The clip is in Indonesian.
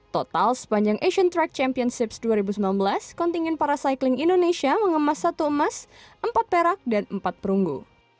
total sepanjang asian track championships dua ribu sembilan belas kontingen paracycling indonesia mengemas satu emas empat perak dan empat perunggu